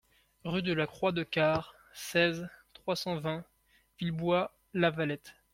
Rue de la Croix de Quart, seize, trois cent vingt Villebois-Lavalette